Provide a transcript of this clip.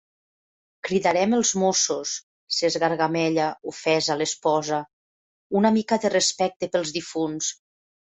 Cridarem els Mossos! —s'esgargamella, ofesa, l'esposa— Una mica de respecte pels difunts!